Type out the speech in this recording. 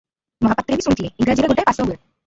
ମହାପାତ୍ରେ ବି ଶୁଣିଥିଲେ, ଇଂରାଜୀରେ ଗୋଟାଏ ପାସ ହୁଏ ।